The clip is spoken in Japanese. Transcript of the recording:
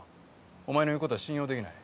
お前の言うことは信用できない。